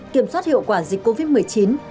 kiểm soát hiệu quả dịch covid một mươi chín